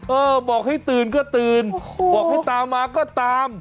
เออบอกให้ตื่นก็ตื่นบอกให้ตามมาก็ตาม